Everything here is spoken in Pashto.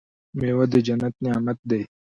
میوه د جنت نعمت دی.